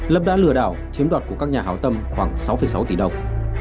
lâm đã lừa đảo chiếm đoạt của các nhà hào tâm khoảng sáu sáu tỷ đồng